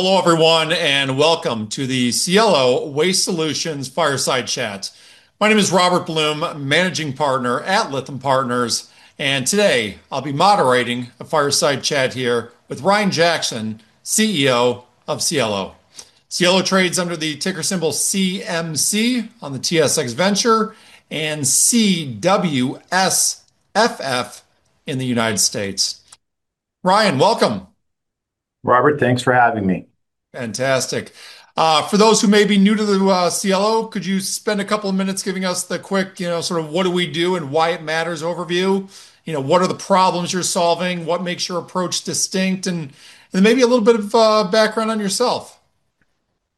Hello everyone, and welcome to the Cielo Waste Solutions Fireside Chat. My name is Robert Blum, Managing Partner at Lytham Partners, and today I'll be moderating a fireside chat here with Ryan Jackson, CEO of Cielo. Cielo trades under the ticker symbol CMC on the TSX Venture and CWSFF in the United States. Ryan, welcome. Robert, thanks for having me. Fantastic. For those who may be new to the Cielo, could you spend a couple of minutes giving us the quick, you know, sort of what do we do and why it matters overview? You know, what are the problems you're solving? What makes your approach distinct? Maybe a little bit of background on yourself.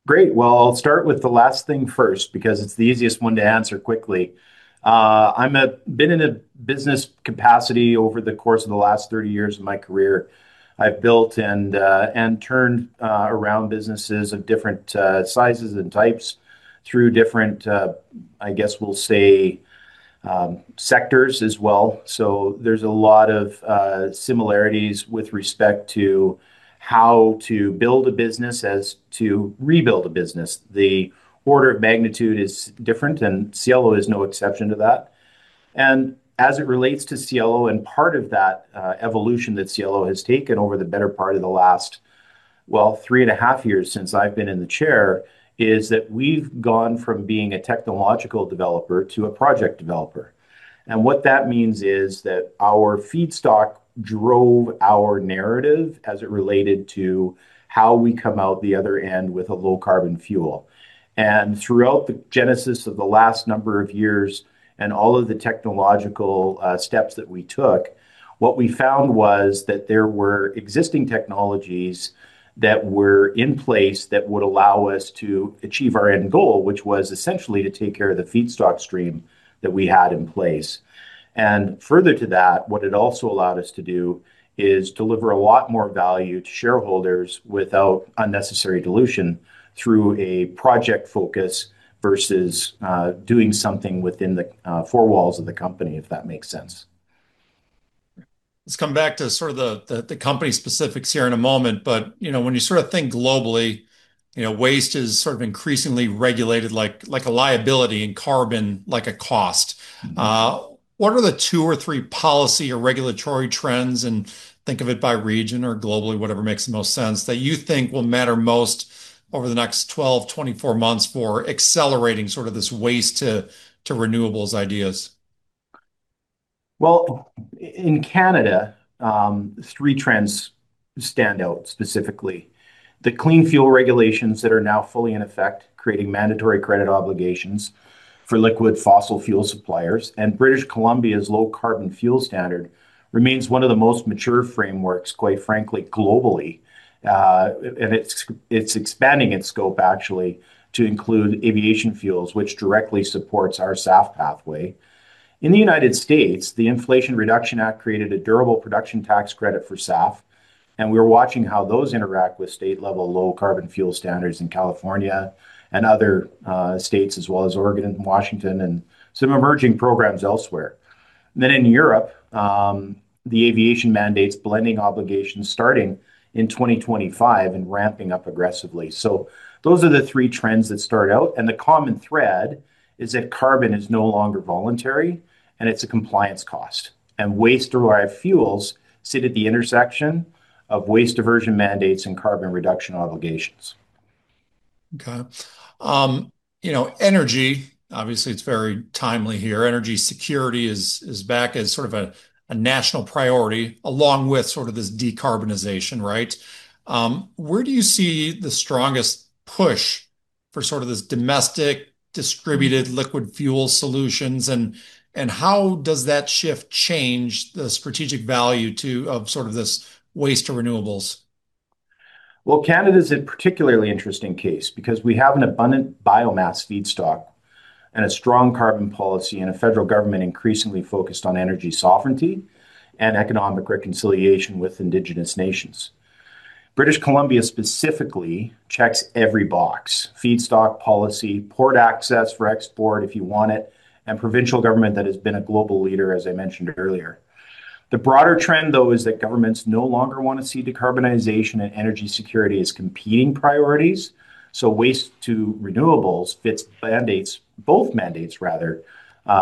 Great. Well, I'll start with the last thing first because it's the easiest one to answer quickly. I've been in a business capacity over the course of the last 30 years of my career. I've built and turned around businesses of different sizes and types through different, I guess we'll say, sectors as well. So there's a lot of similarities with respect to how to build a business as to rebuild a business. The order of magnitude is different, and Cielo is no exception to that. As it relates to Cielo, and part of that evolution that Cielo has taken over the better part of the last, well, three and a half years since I've been in the chair, is that we've gone from being a technological developer to a project developer. What that means is that our feedstock drove our narrative as it related to how we come out the other end with a low carbon fuel. Throughout the genesis of the last number of years and all of the technological steps that we took, what we found was that there were existing technologies that were in place that would allow us to achieve our end goal, which was essentially to take care of the feedstock stream that we had in place. Further to that, what it also allowed us to do is deliver a lot more value to shareholders without unnecessary dilution through a project focus versus doing something within the four walls of the company, if that makes sense. Let's come back to sort of the company specifics here in a moment, but you know, when you sort of think globally, you know, waste is sort of increasingly regulated like a liability and carbon like a cost. Mm-hmm. What are the two or three policy or regulatory trends, and think of it by region or globally, whatever makes the most sense, that you think will matter most over the next 12-24 months for accelerating sort of this waste to renewables ideas? Well, in Canada, three trends stand out specifically. The Clean Fuel Regulations that are now fully in effect, creating mandatory credit obligations for liquid fossil fuel suppliers, and British Columbia's Low Carbon Fuel Standard remains one of the most mature frameworks, quite frankly, globally. It's expanding its scope actually to include aviation fuels, which directly supports our SAF pathway. In the United States, the Inflation Reduction Act created a durable production tax credit for SAF, and we're watching how those interact with state-level Low Carbon Fuel Standards in California and other states, as well as Oregon and Washington and some emerging programs elsewhere. In Europe, the aviation mandates blending obligations starting in 2025 and ramping up aggressively. Those are the three trends that stand out, and the common thread is that carbon is no longer voluntary, and it's a compliance cost. Waste-derived fuels sit at the intersection of waste diversion mandates and carbon reduction obligations. Okay. You know, energy, obviously it's very timely here. Energy security is back as sort of a national priority along with sort of this decarbonization, right? Where do you see the strongest push for sort of this domestic distributed liquid fuel solutions and how does that shift change the strategic value of sort of this waste to renewables? Well, Canada is a particularly interesting case because we have an abundant biomass feedstock and a strong carbon policy and a federal government increasingly focused on energy sovereignty and economic reconciliation with indigenous nations. British Columbia specifically checks every box, feedstock policy, port access for export if you want it, and provincial government that has been a global leader, as I mentioned earlier. The broader trend, though, is that governments no longer want to see decarbonization and energy security as competing priorities, so waste to renewables fits mandates, both mandates rather,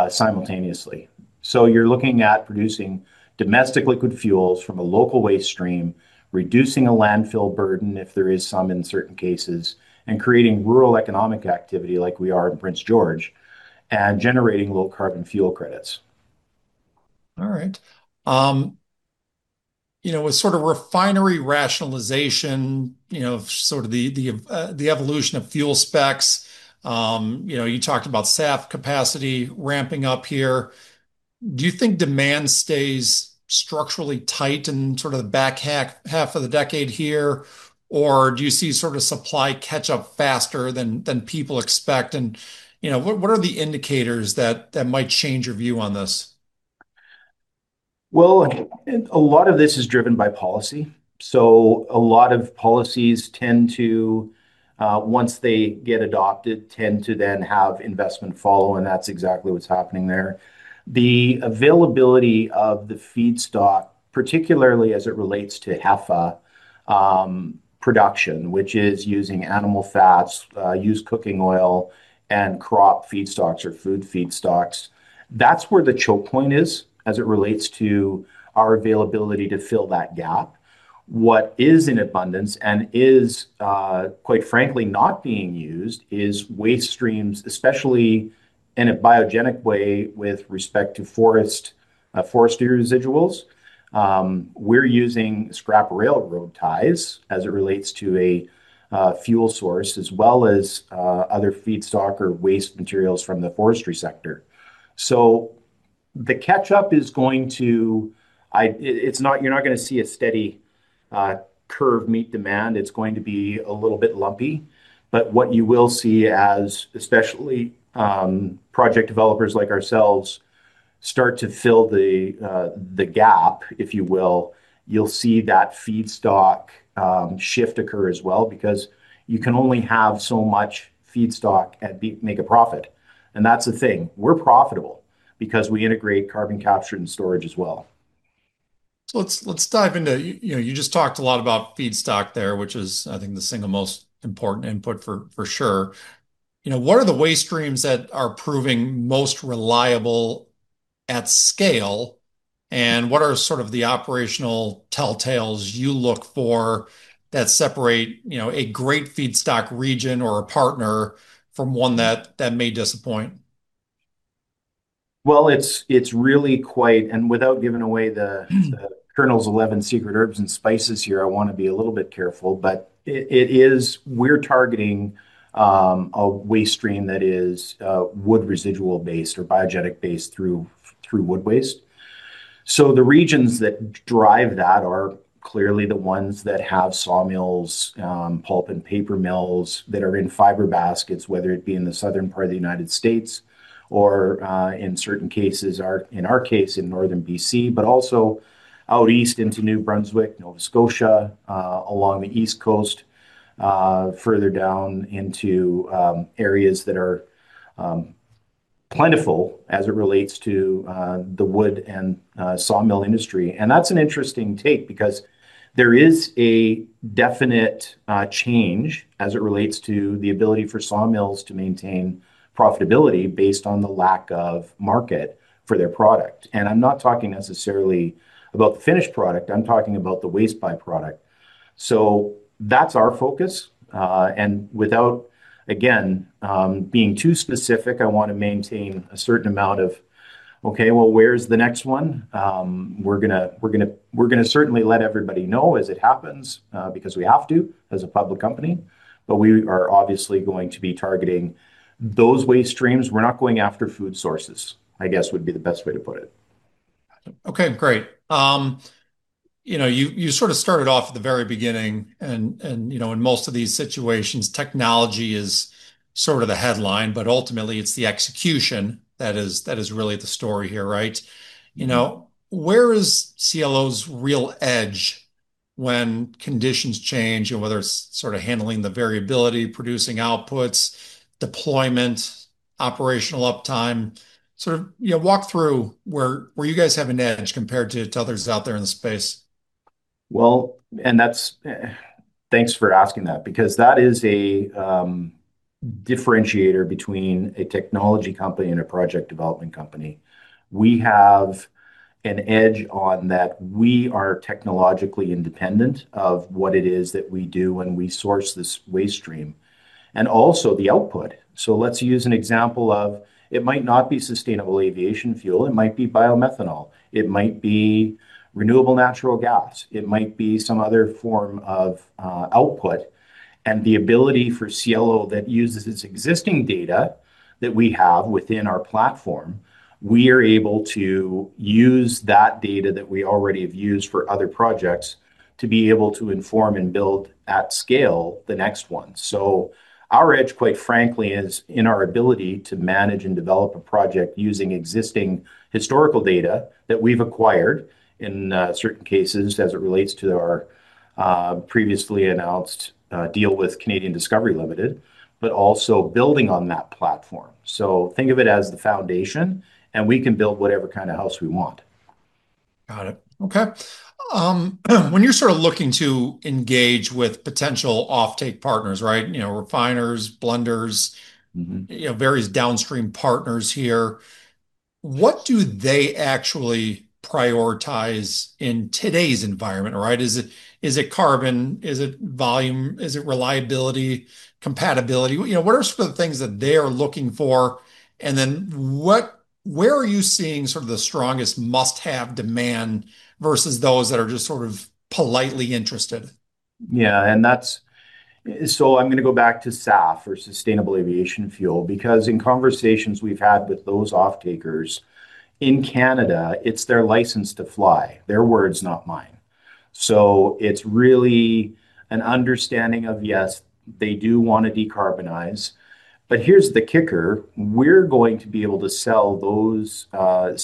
simultaneously. You're looking at producing domestic liquid fuels from a local waste stream, reducing a landfill burden if there is some in certain cases, and creating rural economic activity like we are in Prince George, and generating low carbon fuel credits. All right. You know, with sort of refinery rationalization, you know, sort of the evolution of fuel specs, you know, you talked about SAF capacity ramping up here. Do you think demand stays structurally tight in sort of the back half of the decade here, or do you see sort of supply catch up faster than people expect? You know, what are the indicators that might change your view on this? Well, a lot of this is driven by policy. A lot of policies tend to, once they get adopted, tend to then have investment follow, and that's exactly what's happening there. The availability of the feedstock, particularly as it relates to HEFA production, which is using animal fats, used cooking oil, and crop feedstocks or food feedstocks, that's where the choke point is as it relates to our availability to fill that gap. What is in abundance and is, quite frankly not being used is waste streams, especially in a biogenic way with respect to forest, forestry residuals. We're using scrap railroad ties as it relates to a fuel source, as well as, other feedstock or waste materials from the forestry sector. The catch-up is going to. It's not, you're not gonna see a steady curve meet demand. It's going to be a little bit lumpy. What you will see as, especially, project developers like ourselves start to fill the gap, if you will, you'll see that feedstock shift occur as well, because you can only have so much feedstock and make a profit. That's the thing, we're profitable because we integrate carbon capture and storage as well. Let's dive into, you know, you just talked a lot about feedstock there, which is, I think, the single most important input for sure. You know, what are the waste streams that are proving most reliable at scale, and what are sort of the operational telltales you look for that separate, you know, a great feedstock region or a partner from one that may disappoint? Well, it's really quite. Without giving away the Colonel's 11 secret herbs and spices here, I want to be a little bit careful. It is, we're targeting a waste stream that is wood residual based or biogenic based through wood waste. The regions that drive that are clearly the ones that have sawmills, pulp and paper mills that are in fiber baskets, whether it be in the southern part of the United States or in certain cases, in our case, in northern BC, but also out east into New Brunswick, Nova Scotia, along the East Coast, further down into areas that are plentiful as it relates to the wood and sawmill industry. That's an interesting take because there is a definite change as it relates to the ability for sawmills to maintain profitability based on the lack of market for their product. I'm not talking necessarily about the finished product, I'm talking about the waste byproduct. That's our focus. Without, again, being too specific, I want to maintain a certain amount of we're gonna certainly let everybody know as it happens because we have to as a public company, but we are obviously going to be targeting those waste streams. We're not going after food sources, I guess, would be the best way to put it. Okay, great. You know, you sort of started off at the very beginning and you know, in most of these situations, technology is sort of the headline, but ultimately it's the execution that is really the story here, right? Mm-hmm. You know, where is Cielo's real edge when conditions change and whether it's sort of handling the variability, producing outputs, deployment, operational uptime, sort of, you know, walk through where you guys have an edge compared to others out there in the space? Thanks for asking that because that is a differentiator between a technology company and a project development company. We have an edge on that. We are technologically independent of what it is that we do when we source this waste stream, and also the output. Let's use an example of it might not be Sustainable Aviation Fuel, it might be biomethanol, it might be renewable natural gas, it might be some other form of output. The ability for Cielo that uses its existing data that we have within our platform, we are able to use that data that we already have used for other projects to be able to inform and build at scale the next one. Our edge, quite frankly, is in our ability to manage and develop a project using existing historical data that we've acquired in certain cases as it relates to our previously announced deal with Canadian Discovery Ltd., but also building on that platform. Think of it as the foundation, and we can build whatever kind of house we want. Got it. Okay. When you're sort of looking to engage with potential offtake partners, right? You know, refiners, blenders. Mm-hmm... you know, various downstream partners here, what do they actually prioritize in today's environment, right? Is it carbon? Is it volume? Is it reliability, compatibility? You know, what are some of the things that they are looking for? Where are you seeing sort of the strongest must-have demand versus those that are just sort of politely interested? I'm gonna go back to SAF or Sustainable Aviation Fuel, because in conversations we've had with those off-takers, in Canada it's their license to fly. Their words, not mine. It's really an understanding of yes, they do wanna decarbonize. Here's the kicker. We're going to be able to sell to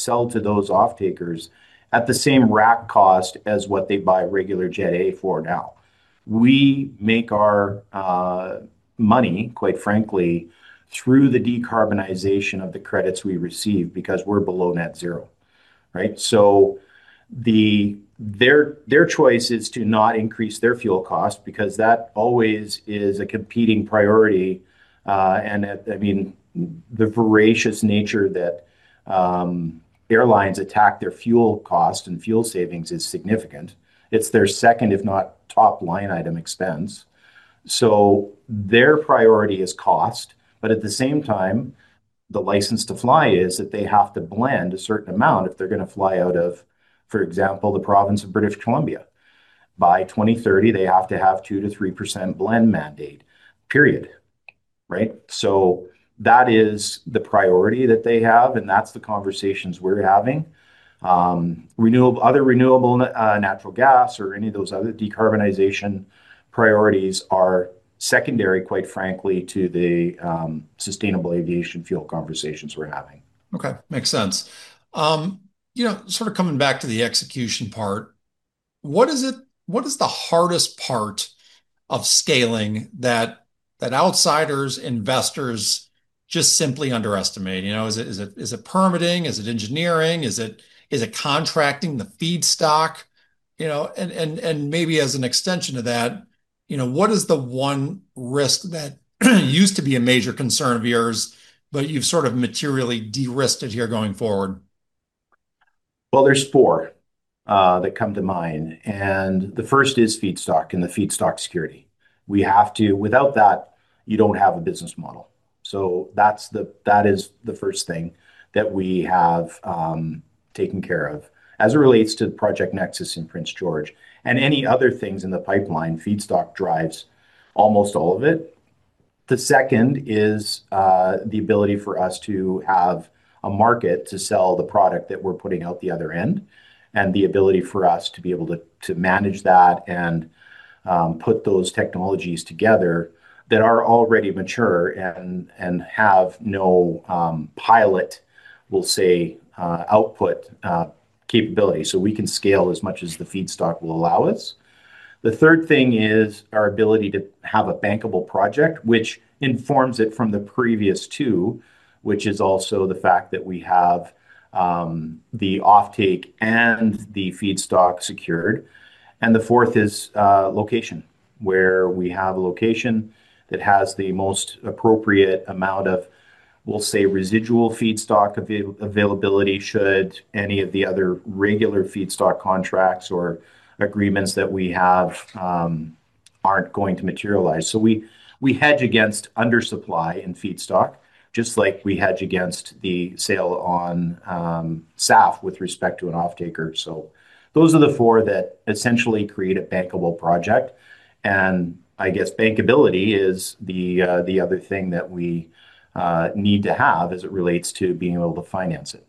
those off-takers at the same rack cost as what they buy regular Jet A for now. We make our money, quite frankly, through the decarbonization of the credits we receive because we're below net zero, right? Their choice is to not increase their fuel cost because that always is a competing priority. I mean, the voracious nature that airlines attack their fuel cost and fuel savings is significant. It's their second if not top line item expense. Their priority is cost. At the same time, the license to fly is that they have to blend a certain amount if they're gonna fly out of, for example, the province of British Columbia. By 2030, they have to have 2%-3% blend mandate, period. Right? That is the priority that they have, and that's the conversations we're having. Other renewable natural gas or any of those other decarbonization priorities are secondary, quite frankly, to the Sustainable Aviation Fuel conversations we're having. Okay. Makes sense. You know, sort of coming back to the execution part, what is the hardest part of scaling that outsiders, investors just simply underestimate? You know, is it permitting? Is it engineering? Is it contracting the feedstock? You know, and maybe as an extension to that, you know, what is the one risk that used to be a major concern of yours, but you've sort of materially de-risked it here going forward? Well, there's four that come to mind, and the first is feedstock and the feedstock security. Without that, you don't have a business model. That's the first thing that we have taken care of as it relates to Project Nexus in Prince George. Any other things in the pipeline, feedstock drives almost all of it. The second is the ability for us to have a market to sell the product that we're putting out the other end, and the ability for us to be able to manage that and put those technologies together that are already mature and have no pilot, we'll say, output capability. We can scale as much as the feedstock will allow us. The third thing is our ability to have a bankable project, which informs it from the previous two, which is also the fact that we have the offtake and the feedstock secured. The fourth is location, where we have a location that has the most appropriate amount of, we'll say, residual feedstock availability should any of the other regular feedstock contracts or agreements that we have aren't going to materialize. We hedge against undersupply in feedstock just like we hedge against the sale on SAF with respect to an offtaker. Those are the four that essentially create a bankable project. I guess bankability is the other thing that we need to have as it relates to being able to finance it.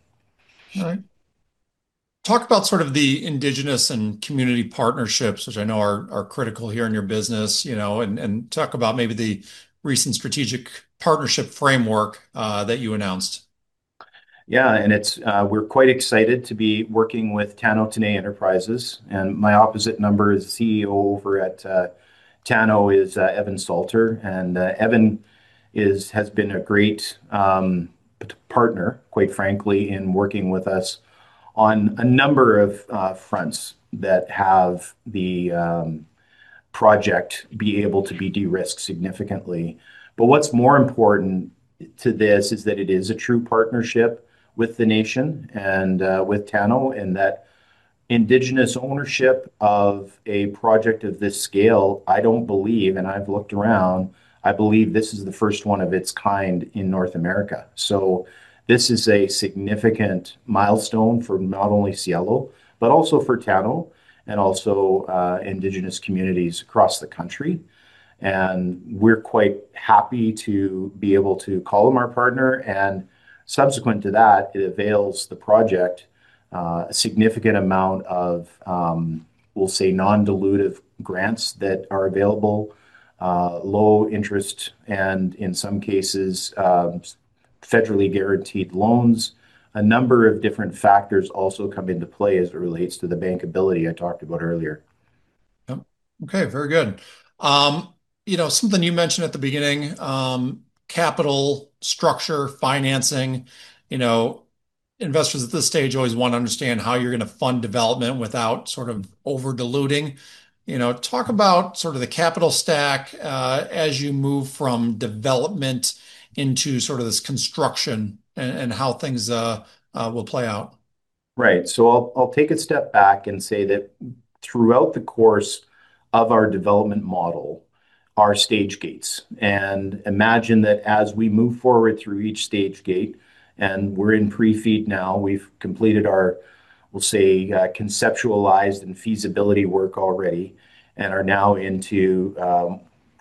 All right. Talk about sort of the Indigenous and community partnerships, which I know are critical here in your business, you know, and talk about maybe the recent strategic partnership framework that you announced. Yeah. It's we're quite excited to be working with Tano T'enneh Enterprises. My opposite number is the CEO over at Tano, is Evan Salter. Evan has been a great partner, quite frankly, in working with us on a number of fronts that have the project be able to be de-risked significantly. What's more important to this is that it is a true partnership with the nation and with Tano, and that Indigenous ownership of a project of this scale, I don't believe, and I've looked around, I believe this is the first one of its kind in North America. This is a significant milestone for not only Cielo, but also for Tano and also Indigenous communities across the country. We're quite happy to be able to call him our partner. Subsequent to that, it avails the project, a significant amount of, we'll say, non-dilutive grants that are available, low interest, and in some cases, federally guaranteed loans. A number of different factors also come into play as it relates to the bankability I talked about earlier. Yep. Okay, very good. You know, something you mentioned at the beginning, capital structure, financing. You know, investors at this stage always wanna understand how you're gonna fund development without sort of over-diluting. You know, talk about sort of the capital stack, as you move from development into sort of this construction and how things will play out. Right. I'll take a step back and say that throughout the course of our development model are stage gates. Imagine that as we move forward through each stage gate, and we're in pre-FEED now, we've completed our, we'll say, conceptualized and feasibility work already and are now into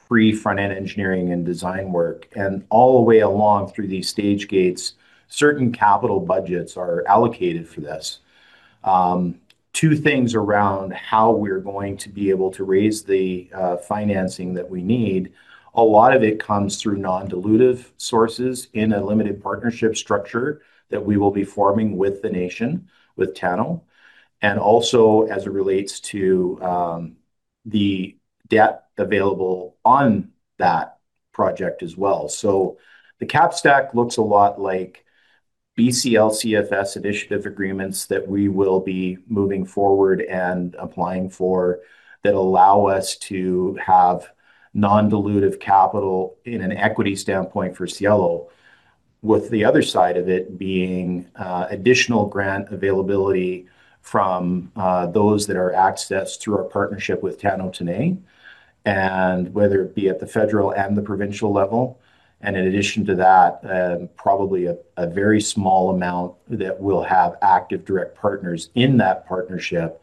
pre front-end engineering and design work. All the way along through these stage gates, certain capital budgets are allocated for this. Two things around how we're going to be able to raise the financing that we need. A lot of it comes through non-dilutive sources in a limited partnership structure that we will be forming with the nation, with Tano. Also as it relates to the debt available on that project as well. The cap stack looks a lot like BC LCFS initiative agreements that we will be moving forward and applying for that allow us to have non-dilutive capital in an equity standpoint for Cielo, with the other side of it being additional grant availability from those that are accessed through our partnership with Tano T'enneh, and whether it be at the federal and the provincial level. In addition to that, probably a very small amount that will have active direct partners in that partnership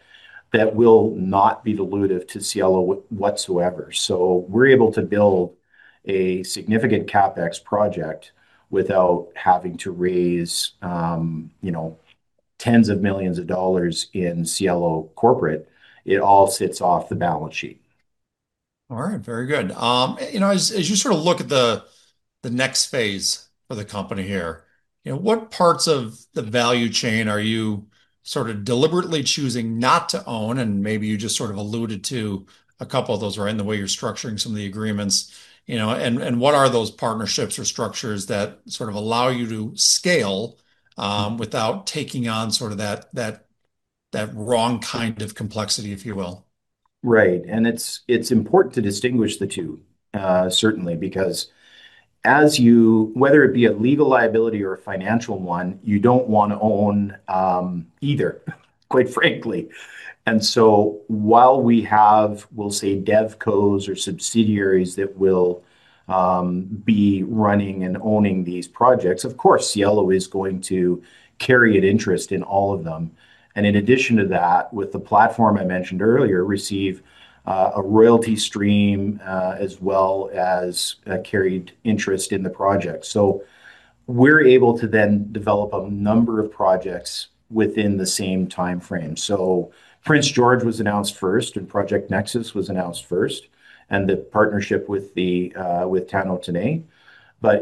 that will not be dilutive to Cielo whatsoever. We're able to build a significant CapEx project without having to raise you know 10s of millions of dollars in Cielo corporate. It all sits off the balance sheet. All right. Very good. You know, as you sort of look at the next phase of the company here, you know, what parts of the value chain are you sort of deliberately choosing not to own? Maybe you just sort of alluded to a couple of those, right, in the way you're structuring some of the agreements, you know. What are those partnerships or structures that sort of allow you to scale, without taking on sort of that wrong kind of complexity, if you will? Right. It's important to distinguish the two, certainly, because as you whether it be a legal liability or a financial one, you don't wanna own either, quite frankly. While we have, we'll say DevCos or subsidiaries that will be running and owning these projects, of course, Cielo is going to carry an interest in all of them. In addition to that, with the platform I mentioned earlier, receive a royalty stream as well as a carried interest in the project. We're able to then develop a number of projects within the same timeframe. Prince George was announced first, and Project Nexus was announced first, and the partnership with Tano T'enneh.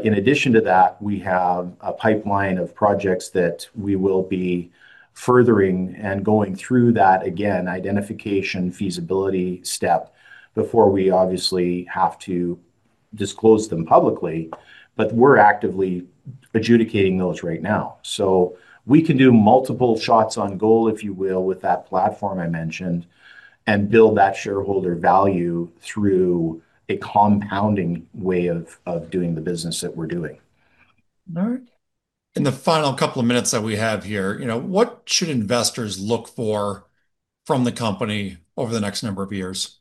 In addition to that, we have a pipeline of projects that we will be furthering and going through that, again, identification feasibility step before we obviously have to disclose them publicly. We're actively adjudicating those right now. We can do multiple shots on goal, if you will, with that platform I mentioned, and build that shareholder value through a compounding way of doing the business that we're doing. All right. In the final couple of minutes that we have here, you know, what should investors look for from the company over the next number of years?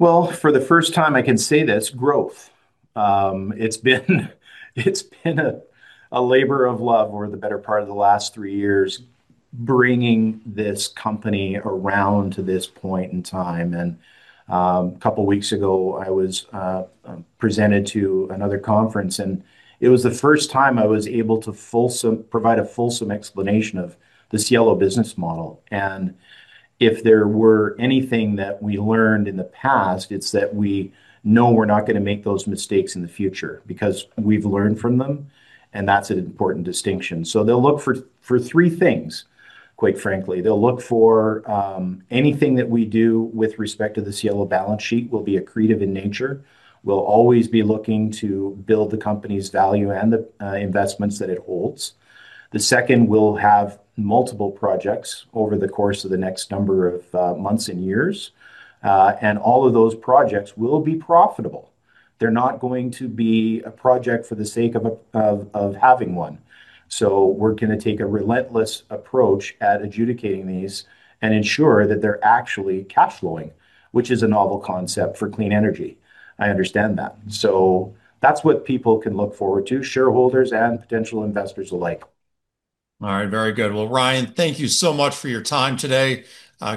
Well, for the first time, I can say this, growth. It's been a labor of love for the better part of the last three years, bringing this company around to this point in time. A couple weeks ago, I was presented to another conference, and it was the first time I was able to provide a fulsome explanation of the Cielo business model. If there were anything that we learned in the past, it's that we know we're not gonna make those mistakes in the future because we've learned from them, and that's an important distinction. They'll look for three things, quite frankly. They'll look for anything that we do with respect to the Cielo balance sheet will be accretive in nature. We'll always be looking to build the company's value and the investments that it holds. The second, we'll have multiple projects over the course of the next number of months and years, and all of those projects will be profitable. They're not going to be a project for the sake of having one. We're gonna take a relentless approach at adjudicating these and ensure that they're actually cash flowing, which is a novel concept for clean energy. I understand that. That's what people can look forward to, shareholders and potential investors alike. All right. Very good. Well, Ryan, thank you so much for your time today.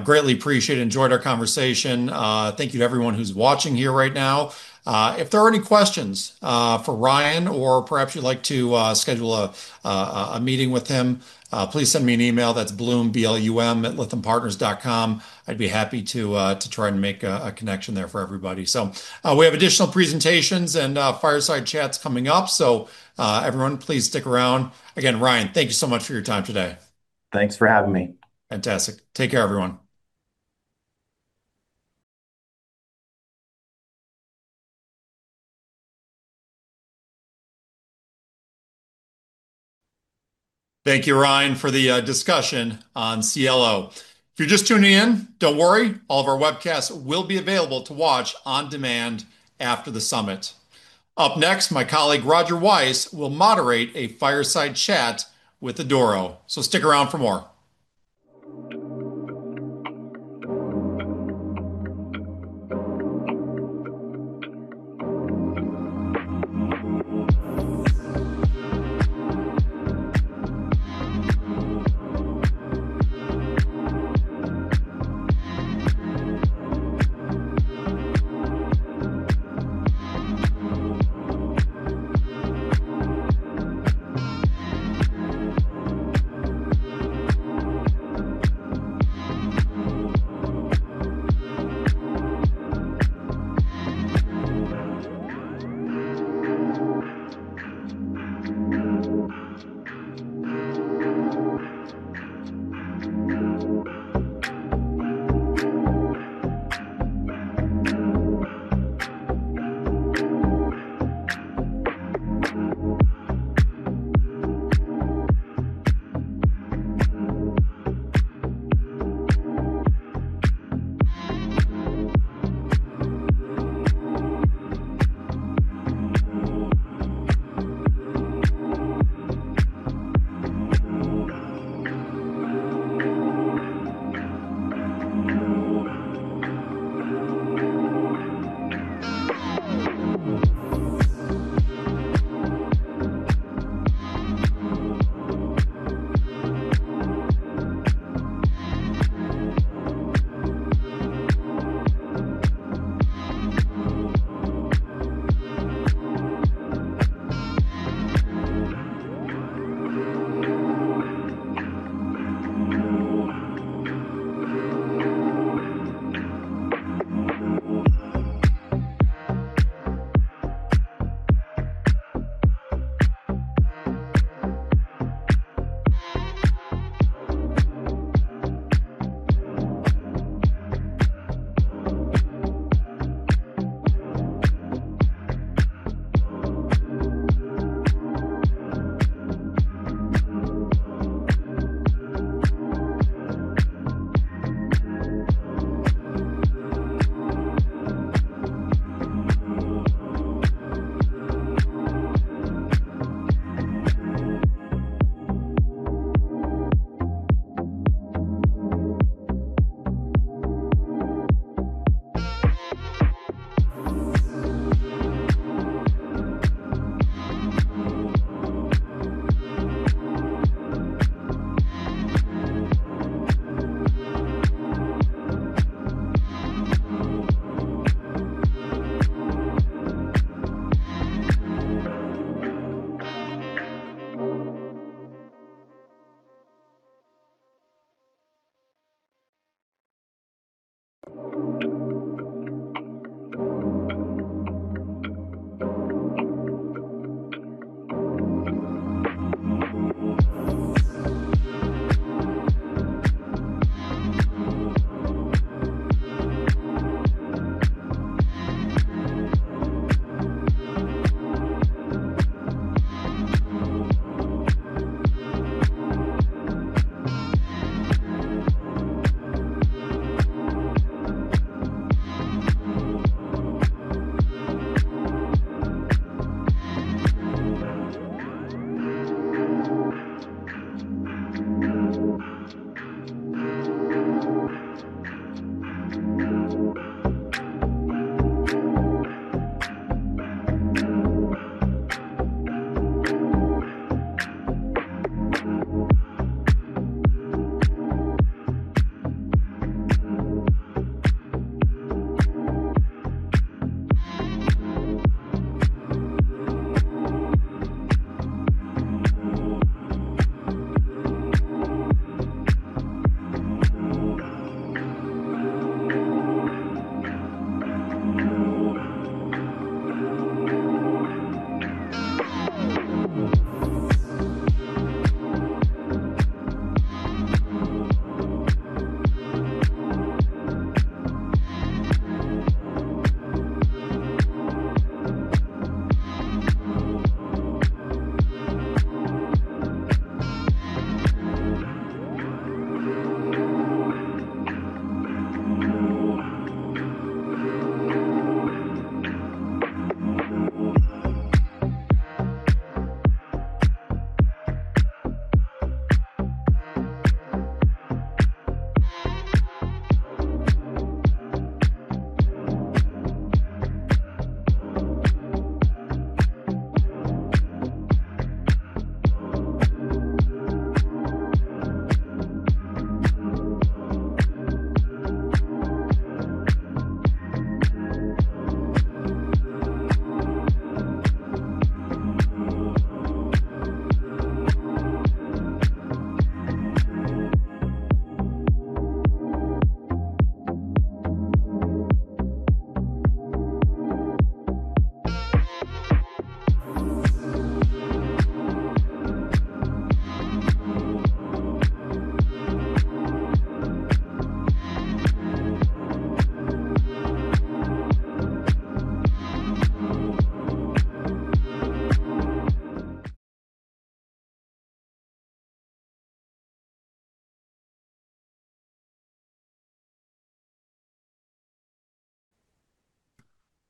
Greatly appreciate it, enjoyed our conversation. Thank you to everyone who's watching here right now. If there are any questions for Ryan or perhaps you'd like to schedule a meeting with him, please send me an email. That's Blum, B-L-U-M @lythampartners.com. I'd be happy to try and make a connection there for everybody. We have additional presentations and fireside chats coming up, everyone, please stick around. Again, Ryan, thank you so much for your time today. Thanks for having me. Fantastic. Take care, everyone. Thank you, Ryan, for the discussion on Cielo. If you're just tuning in, don't worry. All of our webcasts will be available to watch on demand after the summit. Up next, my colleague Roger Weiss will moderate a fireside chat with Aduro. Stick around for more.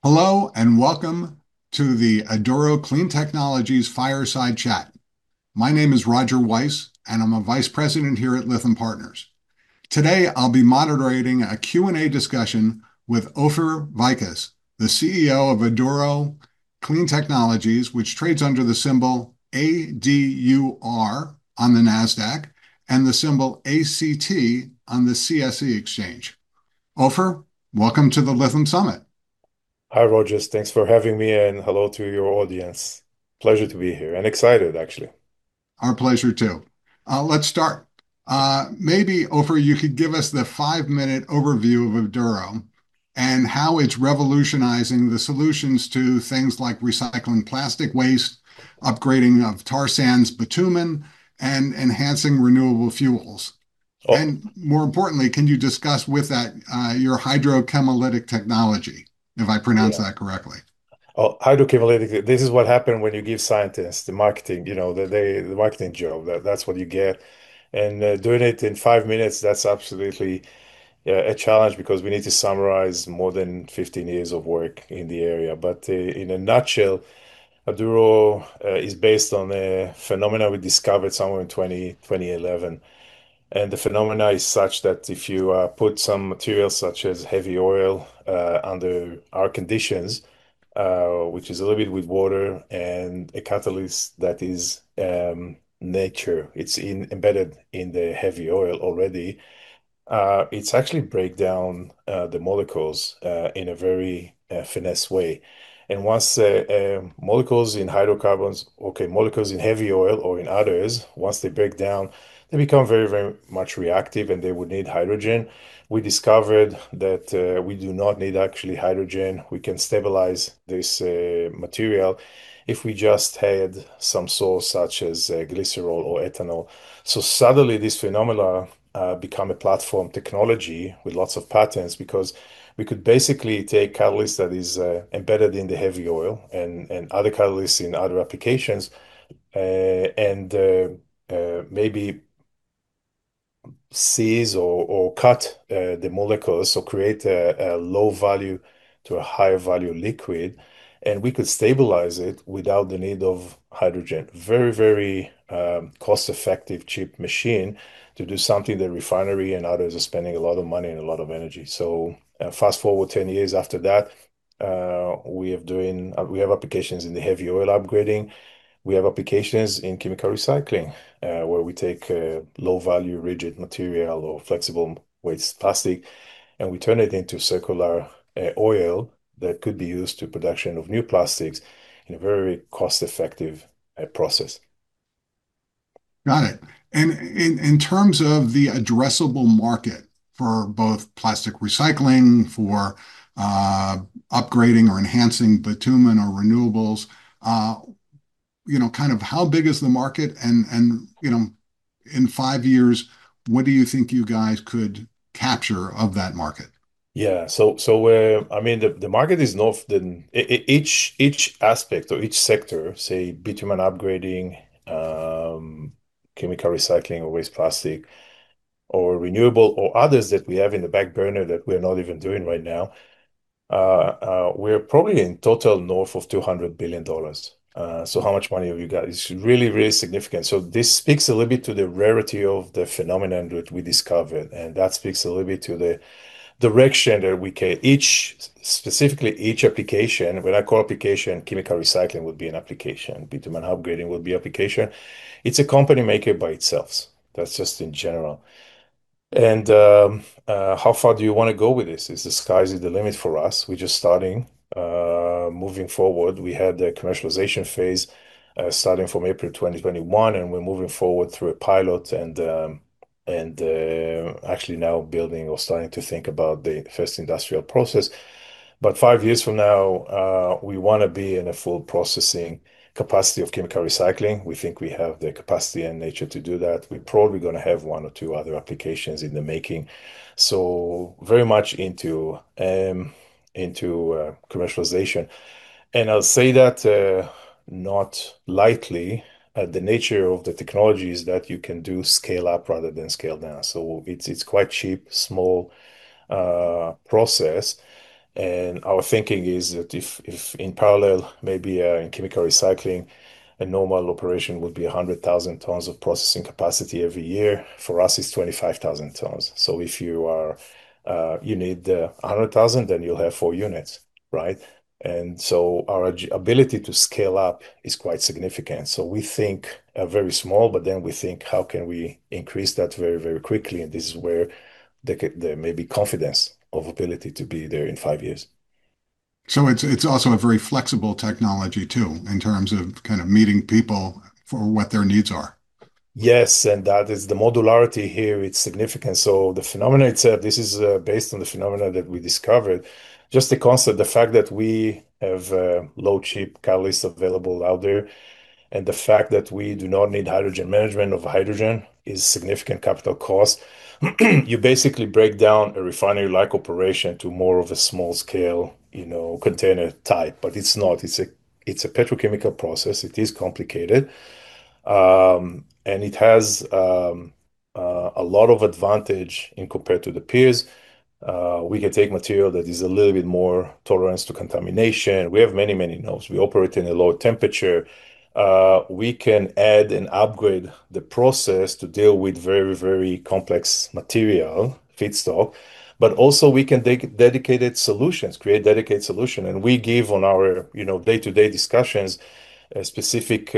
Hello and welcome to the Aduro Clean Technologies Fireside Chat. My name is Roger Weiss, and I'm a vice president here at Lytham Partners. Today, I'll be moderating a Q&A discussion with Ofer Vicus, the CEO of Aduro Clean Technologies, which trades under the symbol ADUR on the Nasdaq and the symbol ACT on the CSE exchange. Ofher, welcome to the Lytham Summit. Hi Roger Weiss, thanks for having me, and hello to your audience. It's a pleasure to be here, and I'm excited actually. Our pleasure too. Let's start. Maybe, Ofer, you could give us the five-minute overview of Aduro and how it's revolutionizing the solutions to things like recycling plastic waste, upgrading of tar sands bitumen, and enhancing renewable fuels. Oh- More importantly, can you discuss with that, your Hydrochemolytic™ technology, if I pronounce that correctly? Oh, Hydrochemolytic™, this is what happen when you give scientists the marketing, you know, the marketing job. That's what you get. Doing it in five minutes, that's absolutely a challenge, because we need to summarize more than 15 years of work in the area. In a nutshell, Aduro is based on a phenomena we discovered somewhere in 2011. The phenomena is such that if you put some material such as heavy oil under our conditions, which is a little bit with water and a catalyst that is nature, it's in embedded in the heavy oil already, it's actually break down the molecules in a very finesse way. Once molecules in hydrocarbons... Okay, molecules in heavy oil or in others, once they break down, they become very reactive, and they would need hydrogen. We discovered that, we do not need actually hydrogen. We can stabilize this material if we just had some source such as glycerol or ethanol. Suddenly this phenomena become a platform technology with lots of patents, because we could basically take catalyst that is embedded in the heavy oil and other catalysts in other applications, and maybe size or cut the molecules or create a low-value to a higher-value liquid, and we could stabilize it without the need of hydrogen. Very cost-effective, cheap machine to do something the refinery and others are spending a lot of money and a lot of energy. Fast-forward 10 years after that, we have applications in the heavy oil upgrading. We have applications in chemical recycling, where we take low value rigid material or flexible waste plastic, and we turn it into circular oil that could be used to production of new plastics in a very cost-effective process. Got it. In terms of the addressable market for both plastic recycling, for upgrading or enhancing bitumen or renewables, you know, kind of how big is the market and, you know, in five years, what do you think you guys could capture of that market? I mean, the market is north of even each aspect or each sector, say bitumen upgrading, chemical recycling or waste plastic or renewable or others that we have in the back burner that we're not even doing right now. We're probably in total north of $200 billion. How much money have you got? It's really significant. This speaks a little bit to the rarity of the phenomenon that we discovered, and that speaks a little bit to the direction that we can reach. Specifically each application, when I call application, chemical recycling would be an application, bitumen upgrading would be application. It's a company maker by itself. That's just in general. How far do you wanna go with this? The sky is the limit for us. We're just starting. Moving forward, we had the commercialization phase starting from April 2021, and we're moving forward through a pilot and actually now building or starting to think about the first industrial process. Five years from now, we wanna be in a full processing capacity of chemical recycling. We think we have the capacity and nature to do that. We're probably gonna have one or two other applications in the making. Very much into commercialization. I'll say that not lightly. The nature of the technology is that you can do scale up rather than scale down. It's quite cheap, small process, and our thinking is that if in parallel, maybe, in chemical recycling a normal operation would be 100,000 tons of processing capacity every year, for us it's 25,000 tons. If you need 100,000, then you'll have four units, right? Our ability to scale up is quite significant. We think very small, but then we think how can we increase that very, very quickly, and this is where there may be confidence of ability to be there in five years. It's also a very flexible technology too in terms of kind of meeting people for what their needs are. Yes, that is the modularity here, it's significant. The phenomena itself, this is based on the phenomena that we discovered. Just the concept, the fact that we have low cheap catalyst available out there, and the fact that we do not need hydrogen, management of hydrogen is significant capital cost, you basically break down a refinery-like operation to more of a small scale, you know, container type. It's a petrochemical process. It is complicated. It has a lot of advantages compared to the peers. We can take material that is a little bit more tolerant to contamination. We have many nodes. We operate in a lower temperature. We can add and upgrade the process to deal with very, very complex material feedstock, but also we can take dedicated solutions, create dedicated solution, and we give on our, you know, day-to-day discussions a specific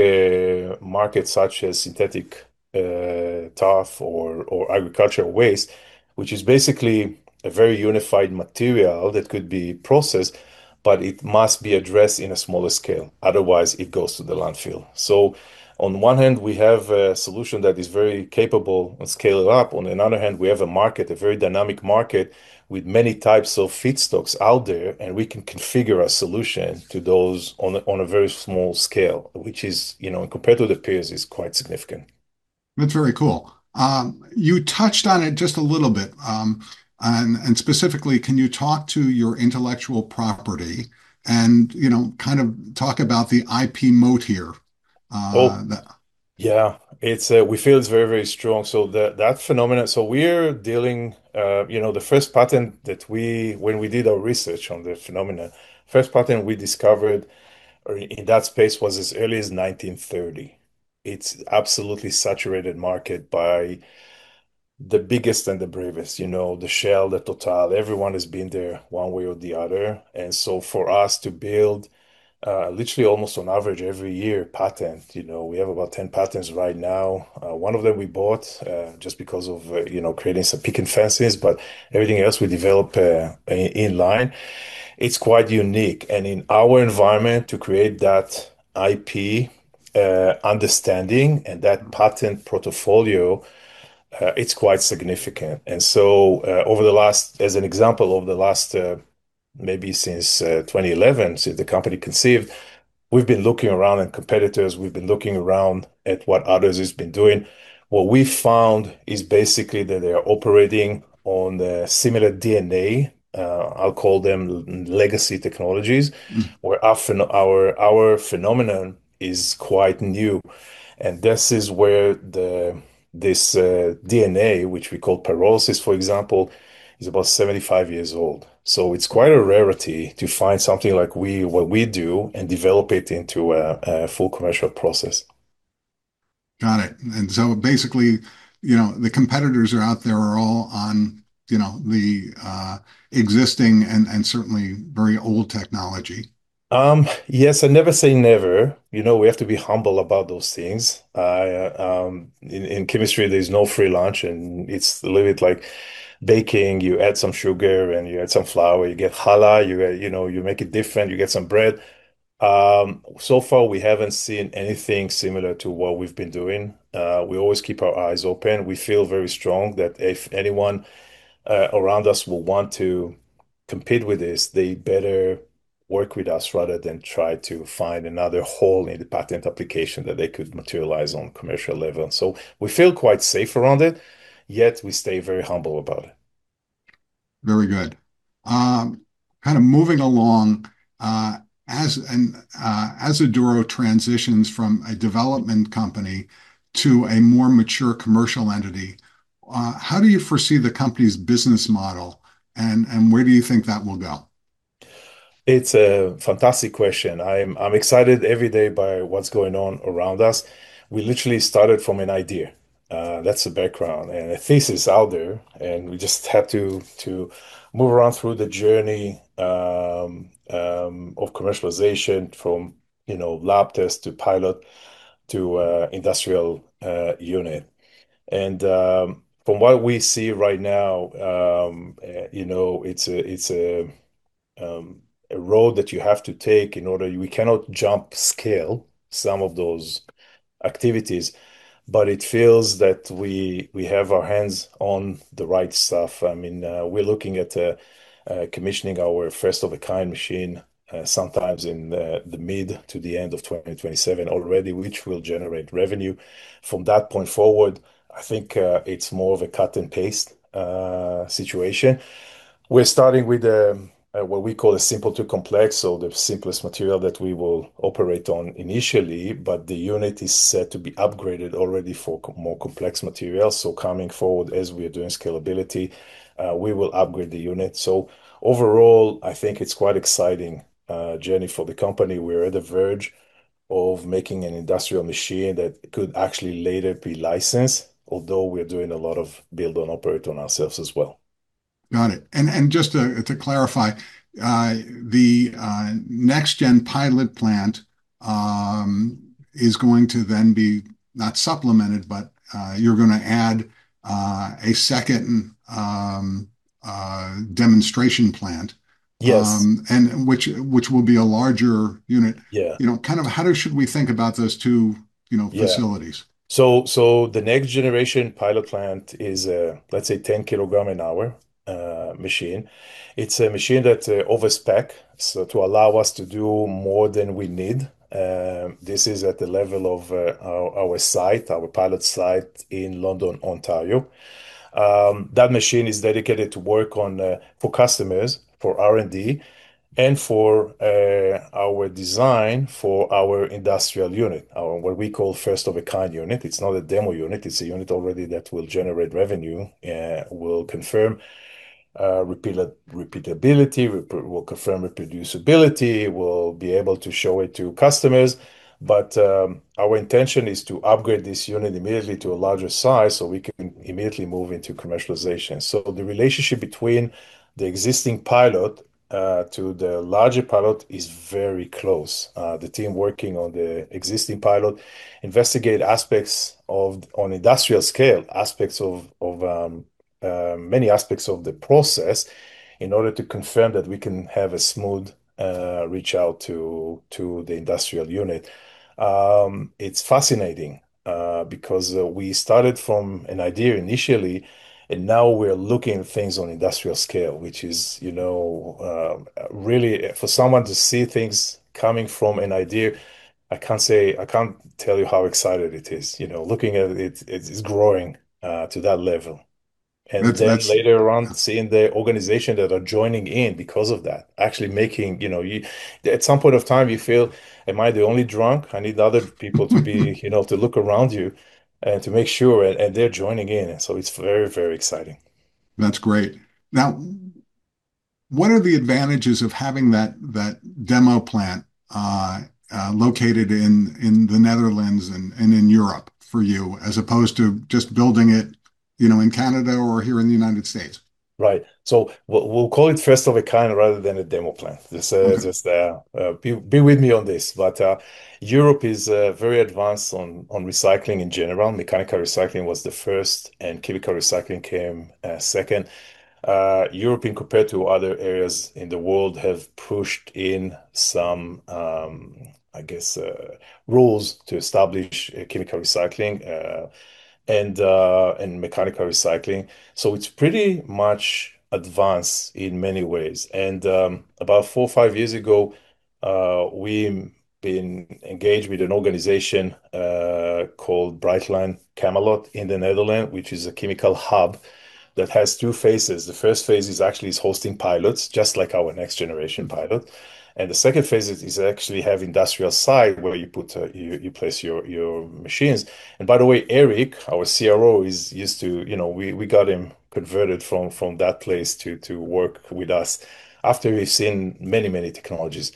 market such as Synthetic turf or Agricultural waste, which is basically a very unified material that could be processed, but it must be addressed in a smaller scale, otherwise it goes to the landfill. On one hand, we have a solution that is very capable and scale it up. On another hand, we have a market, a very dynamic market with many types of feedstocks out there, and we can configure a solution to those on a very small scale, which is, you know, in competitive peers is quite significant. That's very cool. You touched on it just a little bit, and specifically can you talk to your intellectual property and, you know, kind of talk about the IP moat here? Oh. The- Yeah. It's, we feel it's very, very strong. That phenomena. We're dealing, you know, the first patent when we did our research on the phenomena, first patent we discovered in that space was as early as 1930. It's absolutely saturated market by the biggest and the bravest, you know, the Shell, the Total. Everyone has been there one way or the other. For us to build, literally almost on average every year patent, you know, we have about 10 patents right now. One of them we bought, just because of, you know, creating some picket fences, but everything else we develop in line, it's quite unique. In our environment to create that IP, understanding and that patent portfolio, it's quite significant. Over the last... As an example, over the last maybe since 2011, since the company conceived, we've been looking around at competitors, we've been looking around at what others has been doing. What we found is basically that they are operating on the similar DNA, I'll call them Legacy Technologies. Mm where often our phenomenon is quite new, and this is where this DNA which we call pyrolysis, for example, is about 75 years old. It's quite a rarity to find something like what we do and develop it into a full commercial process. Got it. Basically, you know, the competitors are out there are all on, you know, the existing and certainly very old technology. Yes, never say never. You know, we have to be humble about those things. In chemistry there's no free lunch and it's a little bit like baking. You add some sugar and you add some flour, you get challah. You know, you make it different, you get some bread. So far we haven't seen anything similar to what we've been doing. We always keep our eyes open. We feel very strong that if anyone around us will want to compete with this, they better work with us rather than try to find another hole in the patent application that they could materialize on commercial level. We feel quite safe around it, yet we stay very humble about it. Very good. Kind of moving along, as Aduro transitions from a development company to a more mature commercial entity, how do you foresee the company's business model and where do you think that will go? It's a fantastic question. I'm excited every day by what's going on around us. We literally started from an idea, that's the background and a thesis out there, and we just had to move around through the journey of commercialization from, you know, lab test to pilot to industrial unit. From what we see right now, you know, it's a road that you have to take in order. We cannot jump scale some of those activities, but it feels that we have our hands on the right stuff. I mean, we're looking at commissioning our first of a kind machine sometimes in the mid to the end of 2027 already, which will generate revenue. From that point forward, I think, it's more of a cut and paste situation. We're starting with what we call a simple to complex, so the simplest material that we will operate on initially, but the unit is set to be upgraded already for more complex materials. Coming forward as we are doing scalability, we will upgrade the unit. Overall, I think it's quite exciting journey for the company. We're at the verge of making an industrial machine that could actually later be licensed, although we're doing a lot of build and operate on ourselves as well. Got it. Just to clarify, the next gen pilot plant is going to then be not supplemented, but you're gonna add a second demonstration plant. Yes. Which will be a larger unit. Yeah. You know, kind of how should we think about those two, you know? Yeah facilities? The next generation pilot plant is a, let's say 10 kg an hour machine. It's a machine that overspec, so to allow us to do more than we need. This is at the level of our site, our pilot site in London, Ontario. That machine is dedicated to work on for customers, for R&D, and for our design for our industrial unit, our what we call first of a kind unit. It's not a demo unit, it's a unit already that will generate revenue, will confirm reproducibility, we'll be able to show it to customers. Our intention is to upgrade this unit immediately to a larger size so we can immediately move into commercialization. The relationship between the existing pilot to the larger pilot is very close. The team working on the existing pilot investigate aspects of on industrial scale many aspects of the process in order to confirm that we can have a smooth rollout to the industrial unit. It's fascinating because we started from an idea initially, and now we're looking at things on industrial scale, which is you know really for someone to see things coming from an idea. I can't tell you how exciting it is you know looking at it. It's growing to that level. That's, that's- Then later on seeing the organization that are joining in because of that, actually making you know, you at some point of time you feel, "Am I the only drunk? I need other people to be" you know, to look around you, to make sure, and they're joining in. It's very, very exciting. That's great. Now, what are the advantages of having that demo plant located in the Netherlands and in Europe for you, as opposed to just building it, you know, in Canada or here in the United States? Right. We'll call it first of a kind rather than a demo plant. This, Okay Just be with me on this. Europe is very advanced on recycling in general. Mechanical recycling was the first, and chemical recycling came second. European compared to other areas in the world have pushed in some, I guess, rules to establish chemical recycling, and mechanical recycling. It's pretty much advanced in many ways. About four or five years ago, we been engaged with an organization called Brightlands Chemelot in the Netherlands, which is a chemical hub that has two phases. The first phase actually is hosting pilots, just like our next generation pilot. The second phase is actually have industrial site where you place your machines. By the way, Eric, our CRO, is used to, you know. We got him converted from that place to work with us after we've seen many technologies.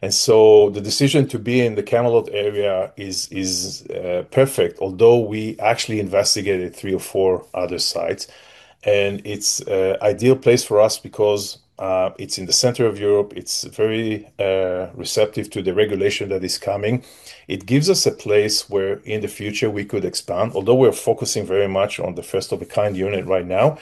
The decision to be in the Chemelot area is perfect, although we actually investigated three or four other sites. It's ideal place for us because it's in the center of Europe, it's very receptive to the regulation that is coming. It gives us a place where in the future we could expand. Although we're focusing very much on the first of a kind unit right now,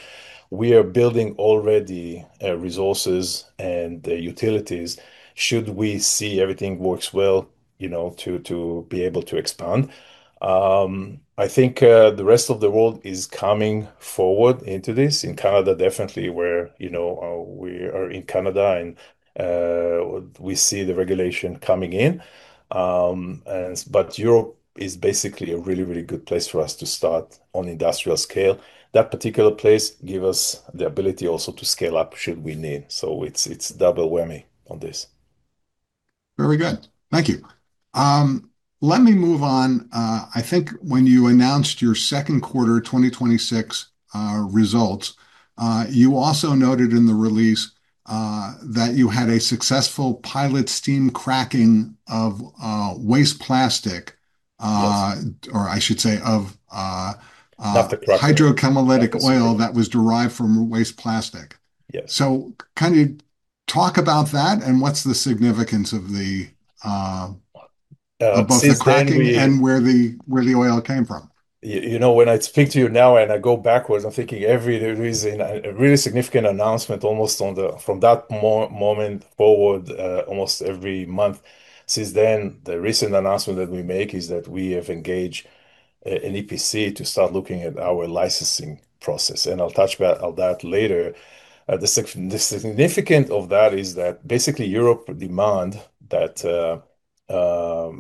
we are building already resources and the utilities should we see everything works well to be able to expand. I think the rest of the world is coming forward into this. In Canada definitely where we are in Canada and we see the regulation coming in. Europe is basically a really, really good place for us to start on industrial scale. That particular place give us the ability also to scale up should we need. It's double whammy on this. Very good. Thank you. Let me move on. I think when you announced your second quarter 2026 results, you also noted in the release that you had a successful pilot steam cracking of waste plastic. Yes... or I should say of, uh- Naphtha cracker hydrochemolytic oil that was derived from waste plastic. Yeah. Can you talk about that, and what's the significance of the? Since then we of both the cracking and where the oil came from? You know, when I speak to you now and I go backwards, I'm thinking every year there is a really significant announcement almost from that moment forward, almost every month since then. The recent announcement that we make is that we have engaged an EPC to start looking at our licensing process, and I'll touch on that later. The significance of that is that basically Europe demands that a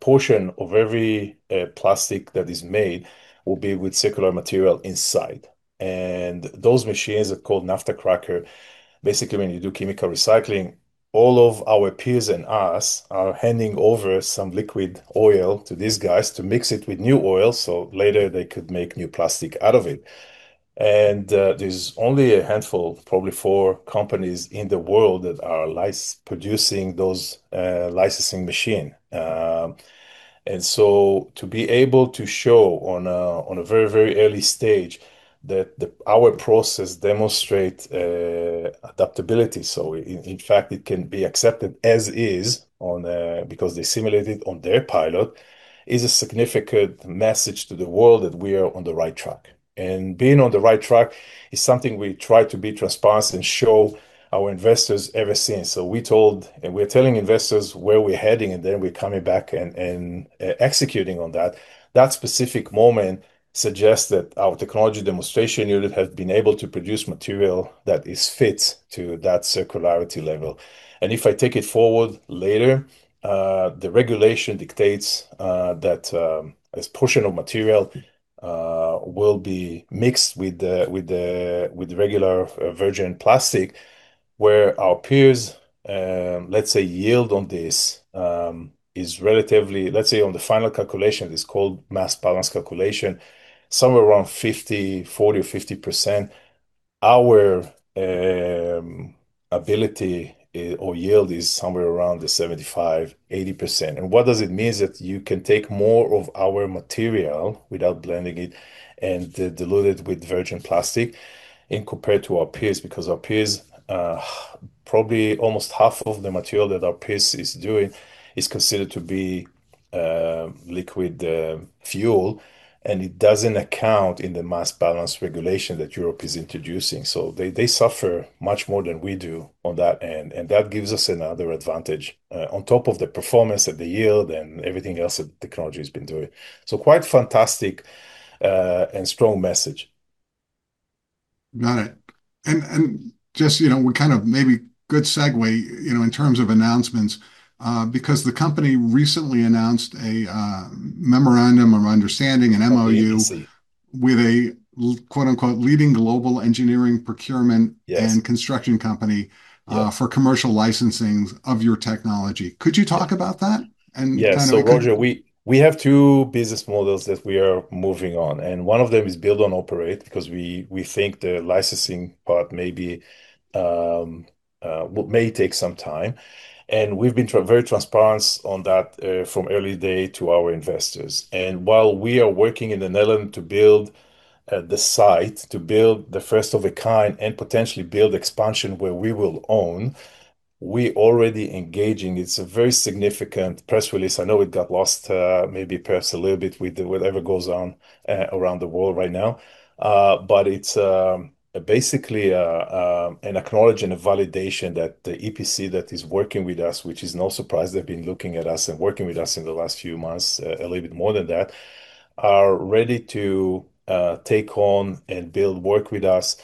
portion of every plastic that is made will be with circular material inside. Those machines are called Naphtha Cracker. Basically, when you do chemical recycling, all of our peers and us are handing over some liquid oil to these guys to mix it with new oil, so later they could make new plastic out of it. There's only a handful, probably four companies in the world that are producing those licensing machine. To be able to show on a very early stage that our process demonstrate adaptability, so in fact it can be accepted as is because they simulate it on their pilot, is a significant message to the world that we are on the right track. Being on the right track is something we try to be transparent and show our investors ever since. We told, and we're telling investors where we're heading, and then we're coming back and executing on that. That specific moment suggests that our technology demonstration unit has been able to produce material that is fit to that circularity level. If I take it forward later, the regulation dictates that this portion of material will be mixed with the regular virgin plastic. Where our peers, let's say yield on this, is relatively. Let's say on the final calculation, it's called mass balance calculation, somewhere around 40% or 50%, our ability or yield is somewhere around the 75%-80%. What does it mean? That you can take more of our material without blending it and dilute it with virgin plastic in comparison to our peers. Because our peers probably almost half of the material that our peers is doing is considered to be liquid fuel and it doesn't count in the mass balance regulation that Europe is introducing. They suffer much more than we do on that end, and that gives us another advantage on top of the performance and the yield and everything else that the technology has been doing. Quite fantastic, and strong message. Got it. Just, you know, we kind of maybe good segue, you know, in terms of announcements, because the company recently announced a memorandum of understanding, an MOU. With the EPC... with a quote, unquote, "leading global engineering procurement. Yes and construction company, Yeah... for commercial licensing of your technology. Could you talk about that and kind of- Yes. Roger, we have two business models that we are moving on, and one of them is build-own-operate because we think the licensing part may be, well, may take some time, and we've been very transparent on that from early day to our investors. While we are working in the Netherlands to build the site, to build the first of a kind and potentially build expansion where we will own, we already engaging. It's a very significant press release. I know it got lost, maybe perhaps a little bit with the whatever goes on around the world right now. It's basically an acknowledgment and a validation that the EPC that is working with us, which is no surprise, they've been looking at us and working with us in the last few months, a little bit more than that, are ready to take on and build, work with us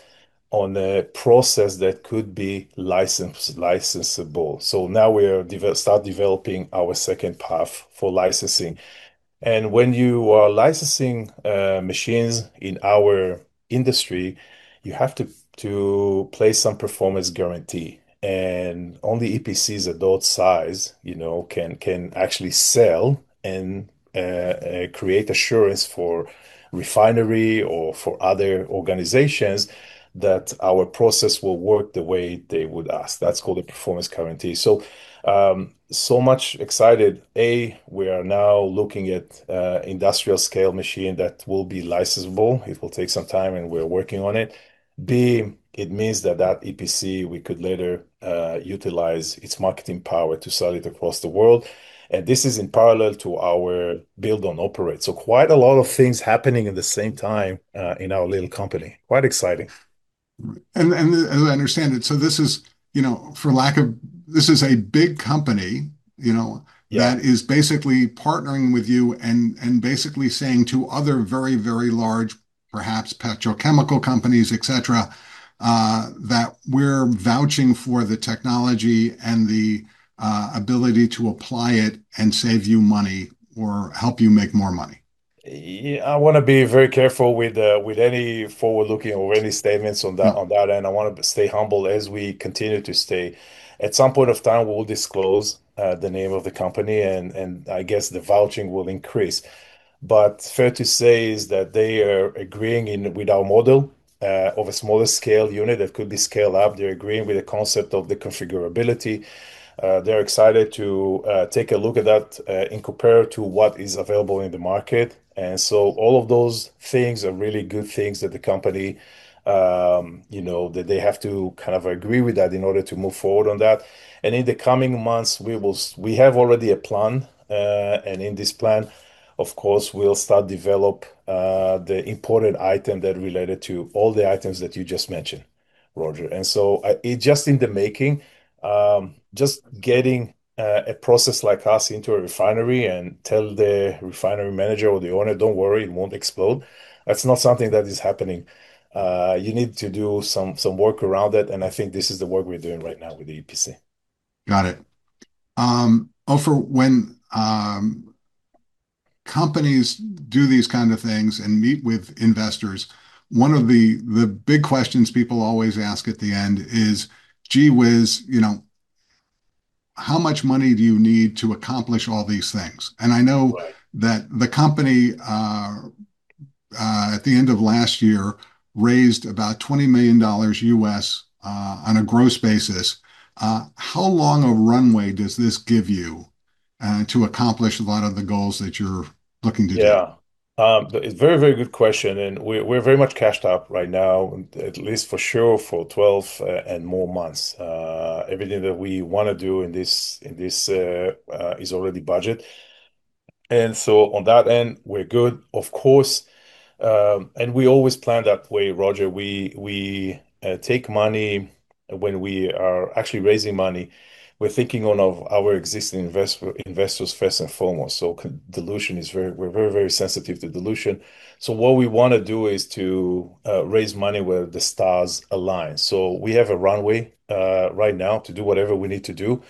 on a process that could be licensable. Now we're starting to develop our second path for licensing. When you are licensing machines in our industry, you have to place some performance guarantee, and only EPCs of that size, you know, can actually sell and create assurance for refineries or for other organizations that our process will work the way they would ask. That's called a performance guarantee. We're so excited. We are now looking at an industrial-scale machine that will be licensable. It will take some time, and we're working on it. It means that EPC we could later utilize its marketing power to sell it across the world, and this is in parallel to our build-on-operate. Quite a lot of things happening at the same time in our little company. Quite exciting. Right. As I understand it, so this is, you know, this is a big company, you know. Yeah that is basically partnering with you and basically saying to other very, very large, perhaps petrochemical companies, et cetera, that we're vouching for the technology and the ability to apply it and save you money or help you make more money. Yeah. I wanna be very careful with any forward-looking or any statements on that. Yeah On that end. I wanna stay humble as we continue to stay. At some point of time we will disclose the name of the company and I guess the vouching will increase. Fair to say is that they are agreeing in with our model of a smaller scale unit that could be scaled up. They're agreeing with the concept of the configurability. They're excited to take a look at that in comparison to what is available in the market. All of those things are really good things that the company you know that they have to kind of agree with that in order to move forward on that. In the coming months we have already a plan, and in this plan, of course, we'll start develop the important item that related to all the items that you just mentioned, Roger. It just in the making, just getting a process like us into a refinery and tell the refinery manager or the owner, "Don't worry, it won't explode," that's not something that is happening. You need to do some work around it, and I think this is the work we're doing right now with the EPC. Got it. Ofer, when companies do these kind of things and meet with investors, one of the big questions people always ask at the end is, "Gee whiz, you know, how much money do you need to accomplish all these things?" I know that the company at the end of last year raised about $20 million on a gross basis. How long a runway does this give you to accomplish a lot of the goals that you're looking to do? Yeah. It's a very, very good question, and we're very much cashed up right now, at least for sure for 12 and more months. Everything that we wanna do in this is already budgeted. On that end we're good. Of course, we always plan that way, Roger. We take money when we are actually raising money, we're thinking of our existing investors first and foremost. Dilution is very, we're very, very sensitive to dilution. What we wanna do is to raise money where the stars align. We have a runway right now to do whatever we need to do,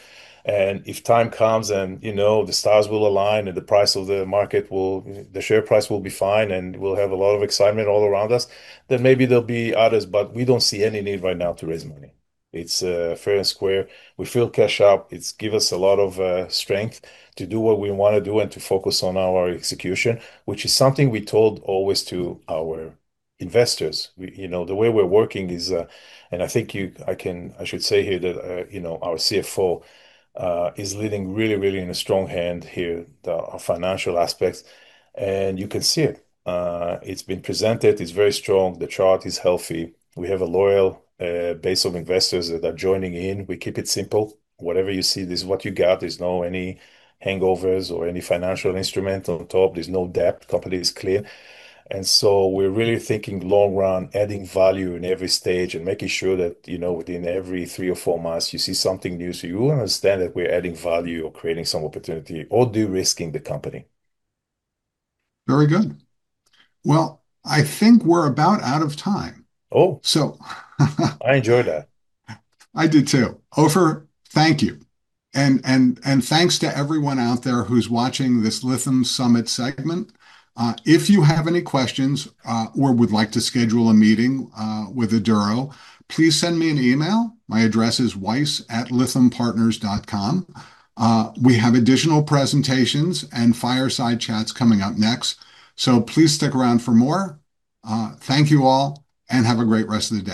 and if time comes and, you know, the stars will align and the price of the market will The share price will be fine and we'll have a lot of excitement all around us, then maybe there'll be others, but we don't see any need right now to raise money. It's fair and square. We feel cash up. It's given us a lot of strength to do what we wanna do and to focus on our execution, which is something we told always to our investors. We, you know, the way we're working is and I should say here that, you know, our CFO is leading really, really in a strong hand here, our financial aspects, and you can see it. It's been presented, it's very strong. The chart is healthy. We have a loyal base of investors that are joining in. We keep it simple. Whatever you see, this is what you got. There's no any overhangs or any financial instrument on top. There's no debt. Company is clear. We're really thinking long run, adding value in every stage, and making sure that, you know, within every three or four months you see something new, so you understand that we're adding value or creating some opportunity or de-risking the company. Very good. Well, I think we're about out of time. Oh. So I enjoy that. I do too. Ofer, thank you. Thanks to everyone out there who's watching this Lytham Summit segment. If you have any questions or would like to schedule a meeting with Aduro, please send me an email. My address is weiss@lythampartners.com. We have additional presentations and fireside chats coming up next, so please stick around for more. Thank you all, and have a great rest of the day.